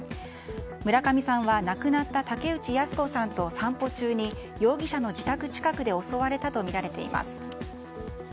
村上さんは亡くなった竹内靖子さんと散歩中に容疑者の自宅近くで襲われたとみられています。